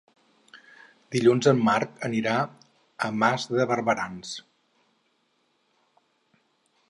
Dilluns en Marc anirà a Mas de Barberans.